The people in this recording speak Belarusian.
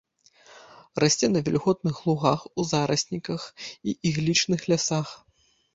Расце на вільготных лугах, у зарасніках і іглічных лясах.